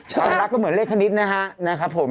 ช่อยลักษณ์ก็เหมือนเลขคณิดนะครับ